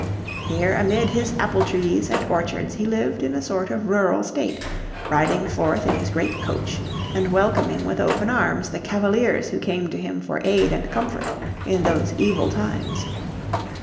Here amid his apple trees and orchards he lived in a sort of rural state, riding forth in his great coach, and welcoming with open arms the Cavaliers who came to him for aid and comfort in those evil times.